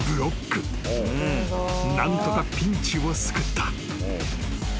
［何とかピンチを救った］